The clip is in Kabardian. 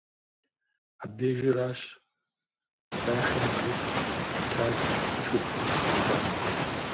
Абдежыращ Лашэм гу щылъитар и шыпхъум къыщыщӏам.